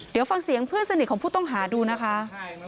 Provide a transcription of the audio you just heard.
เดี๋ยวฟังเสียงเพื่อนสนิทของผู้ต้องหาดูนะคะ